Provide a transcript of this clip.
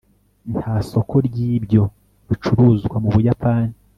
nta soko ryibyo bicuruzwa mubuyapani